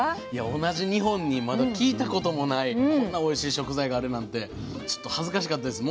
同じ日本にまだ聞いたこともないこんなおいしい食材があるなんてちょっと恥ずかしかったです。